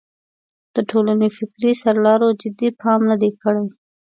د ټولنې فکري سرلارو جدي پام نه دی کړی.